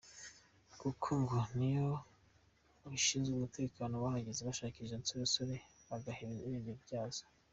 Kuko ngo niyo abashinzwe umutekano bahageze bashakisha izi nsoresore bagaheba irengero ryazo.